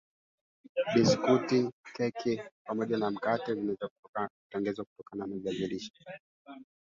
Kupe wa bluu husambaza kimelea kinachosababisha maji mekundu